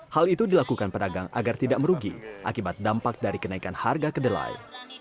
hal itu dilakukan pedagang agar tidak merugi akibat dampak dari kenaikan harga kedelai